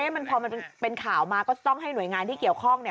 มันพอมันเป็นข่าวมาก็จะต้องให้หน่วยงานที่เกี่ยวข้อง